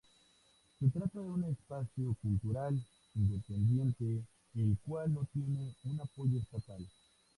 Se trata de un espacio cultural independiente, el cual no tiene un apoyo estatal.